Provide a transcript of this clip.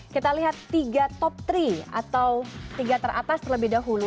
kita lihat tiga top tiga atau tiga teratas terlebih dahulu